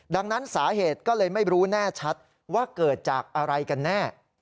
ดังนั้นสาเหตุก็เลยไม่รู้แน่ชัดว่าเกิดจากอะไรกันแน่